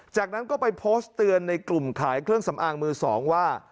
จากนั้นก็ไปโพสต์เตือนในกลุ่มขายเครื่องสำอางมือสองว่า